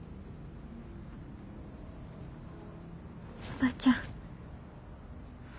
おばちゃん。